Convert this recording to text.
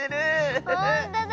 ほんとだ。